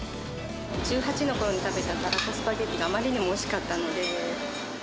１８のころに食べたたらこスパゲティがあまりにもおいしかったので。